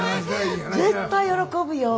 絶対喜ぶよ！